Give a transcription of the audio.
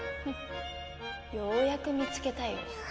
フッようやく見つけたよ